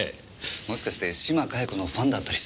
もしかして島加代子のファンだったりして。